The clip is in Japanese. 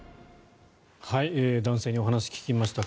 男性にお話を聞きました。